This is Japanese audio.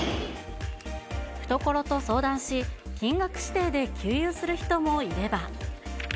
懐と相談し、金額指定で給油する人もいれば。